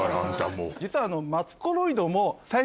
実は。